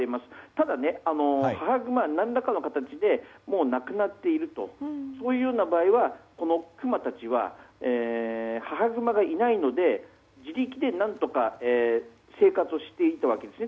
ただ、母グマが何らかの形でもう亡くなっている場合はクマたちは母グマがいないので自力で何とか生活をしていくわけですね。